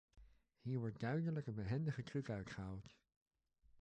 Hier wordt duidelijk een behendige truc uitgehaald.